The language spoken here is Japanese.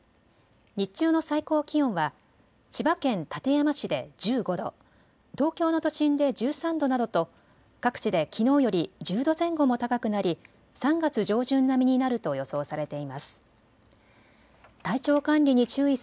日中の最高気温は千葉県館山市で１５度、東京の都心で１３度などと各地できのうより１０度前後も高くなり３月上旬並みになると予想されています。